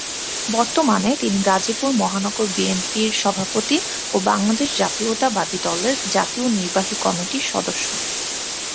বর্তমানে তিনি গাজীপুর মহানগর বিএনপির সভাপতি ও বাংলাদেশ জাতীয়তাবাদী দলের জাতীয় নির্বাহী কমিটির সদস্য।